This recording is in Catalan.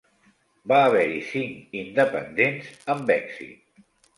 Va haver-hi cinc independents amb èxit.